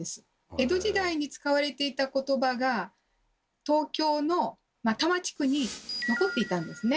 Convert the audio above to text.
江戸時代に使われていた言葉が東京の多摩地区に残っていたんですね。